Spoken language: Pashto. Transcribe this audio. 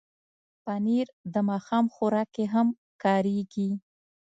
پنېر د ماښام خوراک کې هم کارېږي.